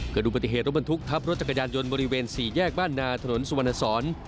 เกิดดูปฏิเหตุรถบรถจักรยานยนต์บริเวณ๔แยกบ้านนาถนนสวรรณศร